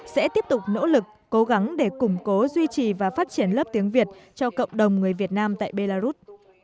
sẽ tiếp tục nỗ lực cố gắng để củng cố duy trì và phát triển lớp tiếng việt cho cộng đồng người việt nam tại belarus